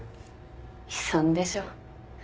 悲惨でしょ。